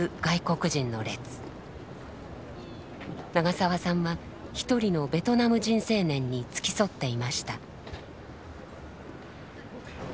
長澤さんは一人のベトナム人青年に付き添っていました。